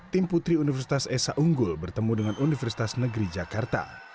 tim putri universitas esa unggul bertemu dengan universitas negeri jakarta